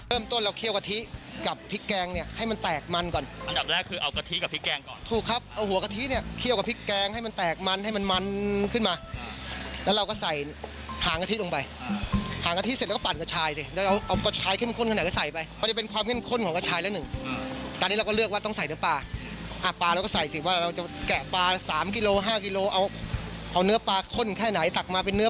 เอาหัวกะทิเนี่ยเคี่ยวกับพริกแกงให้มันแตกมันให้มันมันขึ้นมาแล้วเราก็ใส่หางกะทิลงไปหางกะทิเสร็จแล้วก็ปั่นกระชายสิแล้วเอากระชายเข้มข้นขนาดไหนก็ใส่ไปมันจะเป็นความเข้มข้นของกระชายละหนึ่งตอนนี้เราก็เลือกว่าต้องใส่เนื้อปลาอ่ะปลาเราก็ใส่สิว่าเราจะแกะปลา๓กิโล๕กิโลเอาเนื้อปลาข้นแค่